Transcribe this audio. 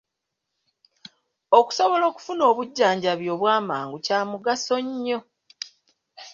Okusobola okufuna obujjanjabi obw’amangu kya mugaso nnyo.